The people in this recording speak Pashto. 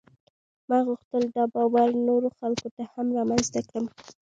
ما غوښتل دا باور نورو خلکو کې هم رامنځته کړم.